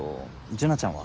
樹奈ちゃんは？